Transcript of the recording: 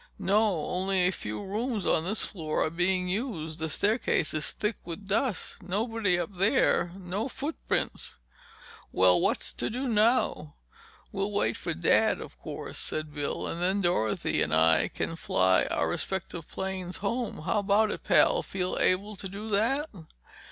"No—only a few rooms on this floor are being used. The staircase is thick with dust. Nobody up there—no footprints." "Well, what's to do now?" "We'll wait for Dad, of course," said Bill, "and then Dorothy and I can fly our respective planes home. How about it, pal? Feel able to do that?"